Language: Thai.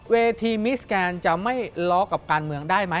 เวทีมิสแกนจะไม่ล้อกับการเมืองได้ไหม